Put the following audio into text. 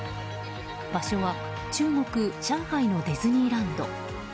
場所は中国・上海のディズニーランド。